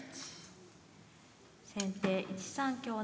先手１三香成。